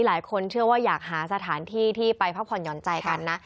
หลายคนเชื่อว่าอยากหาสถานที่ที่ไปพักผ่อนหย่อนใจกันนะ